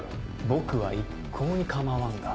僕は一向に構わんが。